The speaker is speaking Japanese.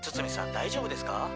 大丈夫ですか？